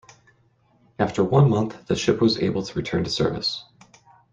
After one month the ship was able to return to service.